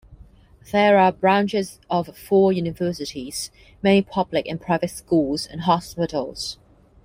There are branches of four universities, many public and private schools and hospitals.